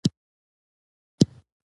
هغه غوښتل یو نوی غږیز سیسټم رامنځته شي